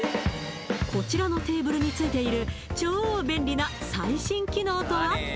こちらのテーブルに付いている超便利な最新機能とは？